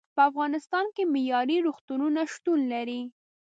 په افغانستان کې معیارې روغتونونه شتون لري.